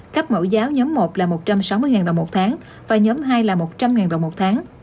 cấp mẫu giáo nhóm một là một trăm sáu mươi đồng một tháng và nhóm hai là một trăm linh đồng một tháng